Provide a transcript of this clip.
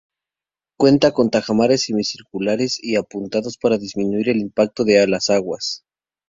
Cuenta con tajamares semicirculares y apuntados para disminuir el impacto de las aguas.